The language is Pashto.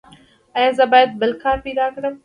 ایا زه باید بل کار پیدا کړم؟